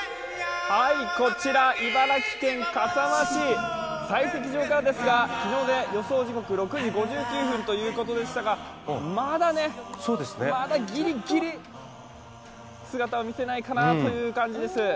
こちら茨城県笠間市、採石場からですが、日の出予想時刻６時５９分ということでしたが、まだ、ぎりぎり姿を見せないかなという感じです。